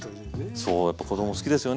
そうやっぱ子供好きですよね